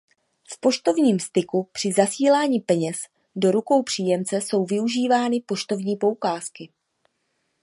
V poštovním styku při zasílání peněz do rukou příjemce jsou využívány poštovní poukázky.